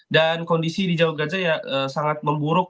dan kondisi di jalur gaza sangat memburuk